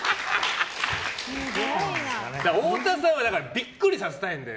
太田さんは、だからビックリさせたいんだよ